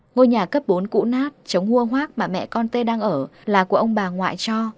ngôi nhà cấp bốn cũ nát chống hua hoác bà mẹ con tê đang ở là của ông bà ngoại cho